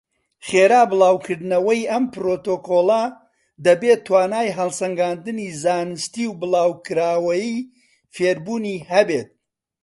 خێرا بڵاوکردنەوەی ئەم پڕۆتۆکۆڵە دەبێت توانای هەڵسەنگاندنی زانستی و بڵاوکراوەی فێربوونی هەبێت.